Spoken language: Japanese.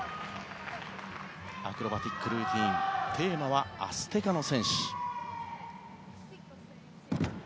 アクロバティックルーティンテーマはアステカの戦士。